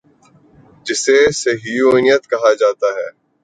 جسے صہیونیت کہا جا تا ہے۔